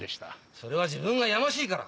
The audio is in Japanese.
それは自分がやましいから。